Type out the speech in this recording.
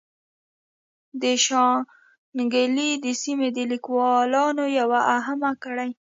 د شانګلې د سيمې د ليکوالانو يوه اهمه کړۍ